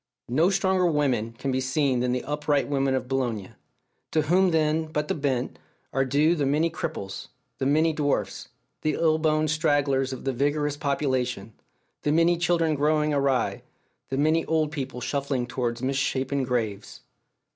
No stronger women can be seen than the upright women of Boulogne; to whom then, but the bent, are due the many cripples, the many dwarfs, the ill boned stragglers of that vigorous population, the many children growing awry, the many old people shuffling towards misshapen graves?